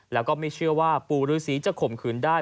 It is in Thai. แล้วก็ไม่เชื่อว่าปู่ฤษีจะข่มขืนได้